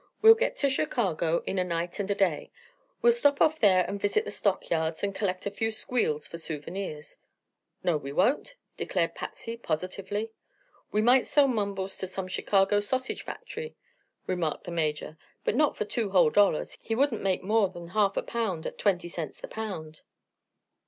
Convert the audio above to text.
We'll get to Chicago in a night and a day. We will stop off there and visit the stockyards, and collect a few squeals for souvenirs." "No, we won't!" declared Patsy, positively. "We might sell Mumbles to some Chicago sausage factory," remarked the Major, "but not for two whole dollars. He wouldn't make more than half a pound at twenty cents the pound."